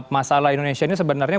masalah indonesia ini sebenarnya